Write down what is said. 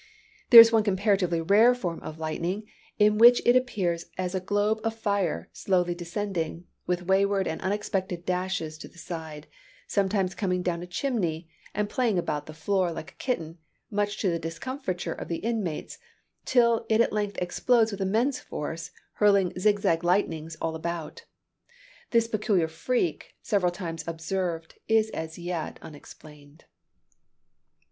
There is one comparatively rare form of lightning, in which it appears as a globe of fire slowly descending, with wayward and unexpected dashes to the side, sometimes coming down a chimney and playing about the floor like a kitten, much to the discomfiture of the inmates, till it at length explodes with immense force, hurling zig zag lightnings all about. This peculiar freak, several times observed, is as yet unexplained.